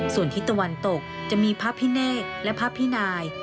ส่วนทิศตะวันตกจะมีพระพิเนกและพระพินาย